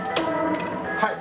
はい。